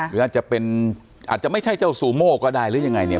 หรืออาจจะเป็นอาจจะไม่ใช่เจ้าซูโม่ก็ได้หรือยังไงเนี่ย